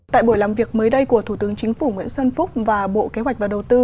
tại buổi làm việc mới đây của thủ tướng chính phủ nguyễn xuân phúc và bộ kế hoạch và đầu tư